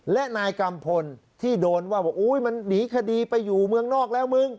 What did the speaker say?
และนายกัมพลที่โดนว่าว่ามันหนีคดีไปอยู่เมืองนอกแล้วมึง